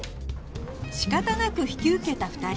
仕方なく引き受けた２人